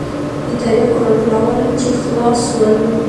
د ترياکو راټولول چې خلاص سول.